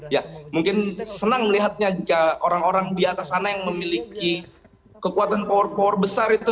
ya mungkin senang melihatnya jika orang orang di atas sana yang memiliki kekuatan power power besar itu